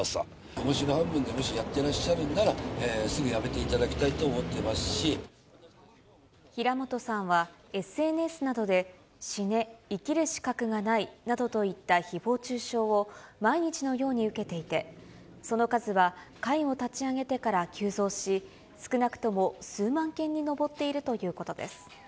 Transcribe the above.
おもしろ半分でもしやってらっしゃるんなら、すぐやめていただき平本さんはＳＮＳなどで死ね、生きる資格がないなどといったひぼう中傷を毎日のように受けていて、その数は会を立ち上げてから急増し、少なくとも数万件に上っているということです。